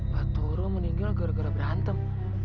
pak toro meninggal gara gara berantem